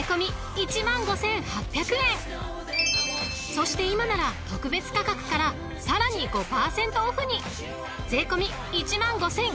［そして今なら特別価格からさらに５％オフに］